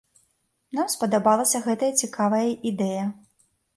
Нам спадабалася гэтая цікавая ідэя.